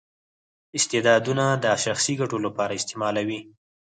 استعدادونه د شخصي ګټو لپاره استعمالوي.